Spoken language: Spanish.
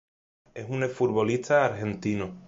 Es un ex futbolista argentino.